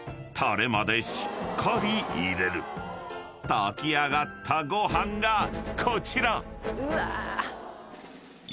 ［炊き上がったご飯がこちら］